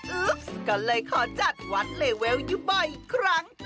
อุ๊ปซ์ก็เลยขอจัดวัดเลเวลอยู่บ่อยอีกครั้ง